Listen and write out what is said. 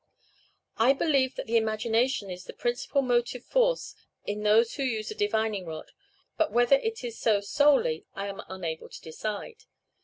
I believe that the imagination is the principal motive force in those who use the divining rod; but whether it is so solely, I am unable to decide.